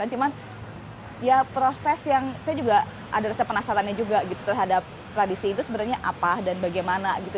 cuman ya proses yang saya juga ada rasa penasarannya juga gitu terhadap tradisi itu sebenarnya apa dan bagaimana gitu